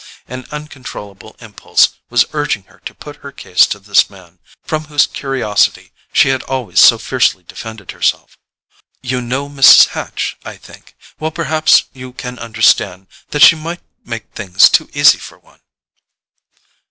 An uncontrollable impulse was urging her to put her case to this man, from whose curiosity she had always so fiercely defended herself. "You know Mrs. Hatch, I think? Well, perhaps you can understand that she might make things too easy for one."